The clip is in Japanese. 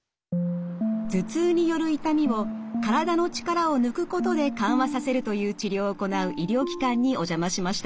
頭痛による痛みを体の力を抜くことで緩和させるという治療を行う医療機関にお邪魔しました。